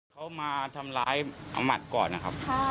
เขามาทำร้ายอาหมัดก่อนนะครับ